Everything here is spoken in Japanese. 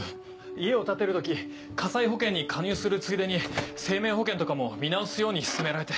家を建てる時火災保険に加入するついでに生命保険とかも見直すように勧められて。